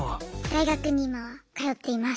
大学に今は通っています。